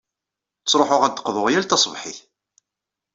Ttṛuḥuɣ ad d-qḍuɣ yal taṣebḥit.